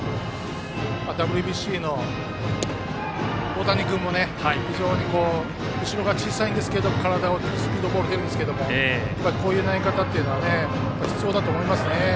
ＷＢＣの大谷君も、非常に後ろが小さいんですけれども体が大きくスピードボールが出るんですけどこういう投げ方というのは必要だと思います。